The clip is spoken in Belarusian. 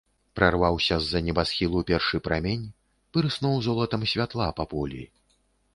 Прарваўся з-за небасхілу першы прамень, пырснуў золатам святла па полі.